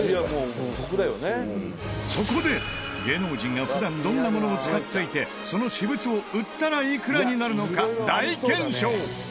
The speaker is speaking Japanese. そこで芸能人が普段どんなものを使っていてその私物を売ったらいくらになるのか大検証。